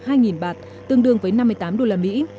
giá là vào khoảng hai bạt tương đương với năm mươi tám đô la mỹ